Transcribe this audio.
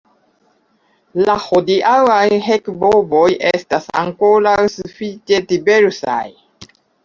La hodiaŭaj hek-bovoj estas ankoraŭ sufiĉe diversaj.